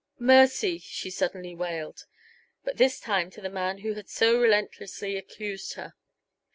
"Mercy!" she suddenly wailed, but this time to the man who had so relentlessly accused her.